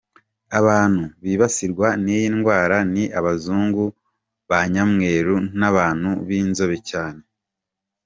Abantu bibasirwa n’iyi ndwara ni Abazungu, ba Nyamweru n’abantu b’inzobe cyane.